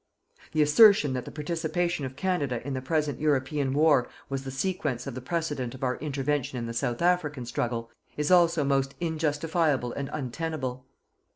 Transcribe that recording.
The assertion that the participation of Canada in the present European war was the sequence of the precedent of our intervention in the South African struggle, is also most injustifiable and untenable.